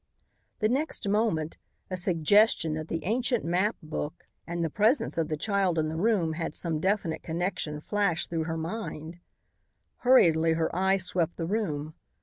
The next moment a suggestion that the ancient map book and the presence of the child in the room had some definite connection flashed through her mind. Hurriedly her eye swept the room.